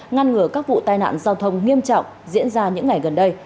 ngăn ngừa các vụ tai nạn giao thông nghiêm trọng diễn ra những ngày gần đây